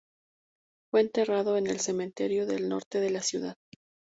Fue enterrado en el cementerio del Norte de la ciudad.